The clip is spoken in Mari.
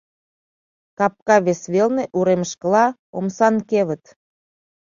Капка вес велне, уремышкыла, омсан кевыт.